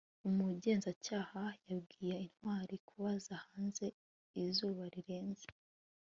umugenzacyaha yabwiye ntwali kuba hanze izuba rirenze